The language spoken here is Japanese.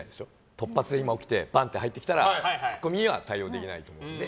突発で今起きてバンって入ってきたら突っ込みには対応できないと思うので。